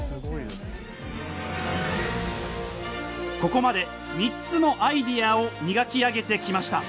ここまで３つのアイデアを磨き上げてきました。